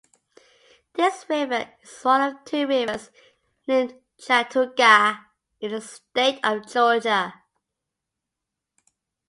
This river is one of two rivers named Chattooga in the state of Georgia.